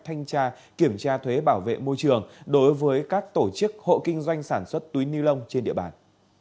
thanh tra kiểm tra thuế bảo vệ môi trường đối với các tổ chức hộ kinh doanh sản xuất túi ni lông trên địa bàn